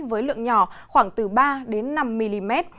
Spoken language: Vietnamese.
với lượng nhỏ khoảng từ ba đến năm mm